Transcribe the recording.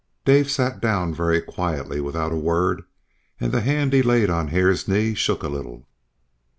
Dave sat down very quietly without a word, and the hand he laid on Hare's knee shook a little.